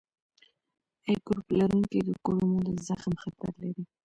A ګروپ لرونکي د کولمو د زخم خطر لري.